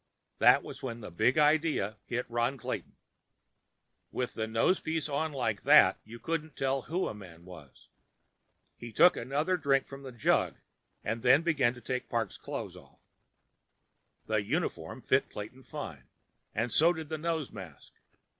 That was when the Big Idea hit Ron Clayton. With a nosepiece on like that, you couldn't tell who a man was. He took another drink from the jug and then began to take Parks' clothes off. The uniform fit Clayton fine, and so did the nose mask.